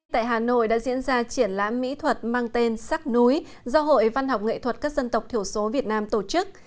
tại hà nội đã diễn ra triển lãm mỹ thuật mang tên sắc núi do hội văn học nghệ thuật các dân tộc thiểu số việt nam tổ chức